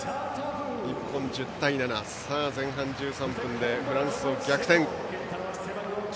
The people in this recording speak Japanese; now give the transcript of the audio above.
日本は１０対７と前半１３分でフランスを逆転。